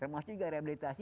bahasa inggris pelatihannya